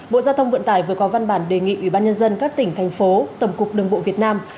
bộ giao thông vận tải vừa có văn bản đề nghị ubnd các tỉnh thành phố tầm cục đường bộ việt nam